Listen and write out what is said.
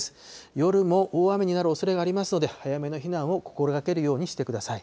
夜も大雨になるおそれがありますので、早めの避難を心がけるようにしてください。